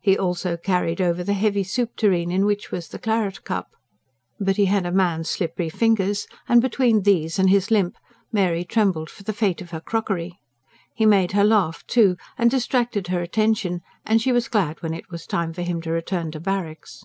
He also carried over the heavy soup tureen in which was the claret cup. But he had a man's slippery fingers, and, between these and his limp, Mary trembled for the fate of her crockery. He made her laugh, too, and distracted her attention; and she was glad when it was time for him to return to barracks.